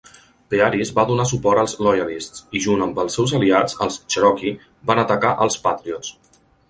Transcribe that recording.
Pearis va donar suport als Loyalists i, junt amb els seus aliats, els Cherokee, van atacar als Patriots.